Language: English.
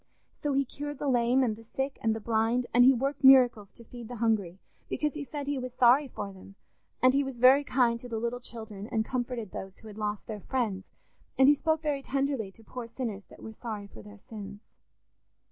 So he cured the lame and the sick and the blind, and he worked miracles to feed the hungry because, he said, he was sorry for them; and he was very kind to the little children and comforted those who had lost their friends; and he spoke very tenderly to poor sinners that were sorry for their sins.